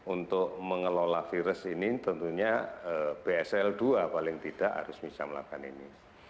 untuk mengelola virus ini tentunya bsl dua paling tidak harus bisa melakukan ini